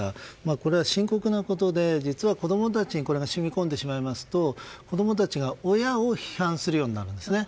これは深刻なことで実は子供たちにこれが染み込んでしまうと子供たちが親を批判するようになるんですね。